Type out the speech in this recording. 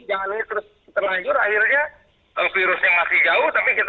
jangan terus terlanjur akhirnya virusnya masih jauh tapi kita kena penyakit yang lain gitu loh